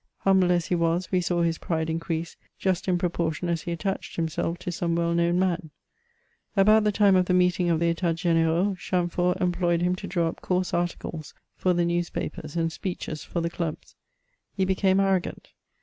Humble as he was, we saw his pride increase, just in proportion as he attached himself to some well known man. About the time of the meeting of the Etats O^n^ranx, Chamfort employed him to draw up coarse articles for the newspapers, and speeches for the clubs. He became arrogant.